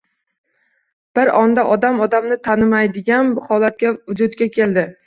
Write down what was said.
Bir onda odam-odamni tanimaydigan holat vujudga keldi.